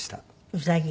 ウサギ。